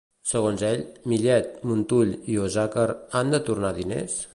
Segons ell, Millet, Montull i Osàcar han de tornar diners?